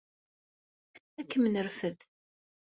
Ad kem-nerfed.